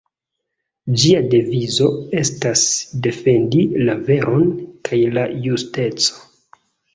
Ĝia devizo estas "Defendi la veron kaj la justeco".